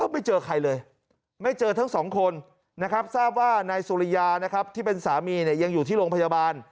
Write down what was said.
ไม่เจอใครเลยไม่เจอทั้งสองคนนะครับทราบว่านายสุริยานะครับที่เป็นสามีเนี่ยยังอยู่ที่โรงพยาบาล